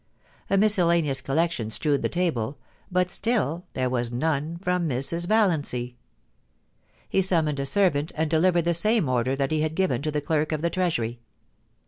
A mis cellaneous collection strewed the table, but still there was none from Mrs. Valiancy. He summoned a servant and delivered the same order that he had given to the clerk d the Treasury.